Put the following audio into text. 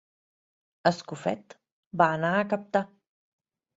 Escofet va anar a captar.